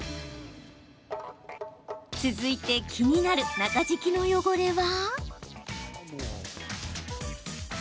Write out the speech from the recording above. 続いて気になる中敷きの汚れは。